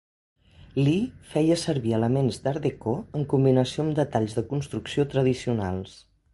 Lee feia servir elements d'art déco en combinació amb detalls de construcció tradicionals.